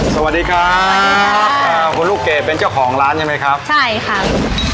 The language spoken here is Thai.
สวัสดีครับอ่าคุณลูกเกดเป็นเจ้าของร้านใช่ไหมครับใช่ค่ะ